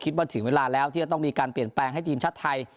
ถึงเวลาแล้วที่จะต้องมีการเปลี่ยนแปลงให้ทีมชาติไทย